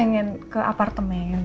iya tadinya gue pengen ke apartemen